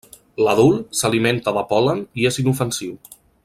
L'adult s'alimenta de pol·len i és inofensiu.